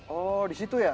oh disitu ya